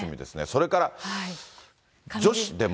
それから、女子でも。